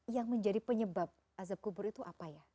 yang menjadi penyebab azab kubur itu apa ya